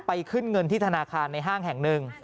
ขึ้นเงินที่ธนาคารในห้างแห่งหนึ่ง